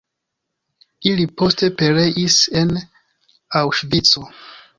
Ili poste pereis en Aŭŝvico.